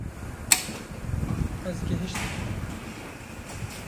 Ez gehiştim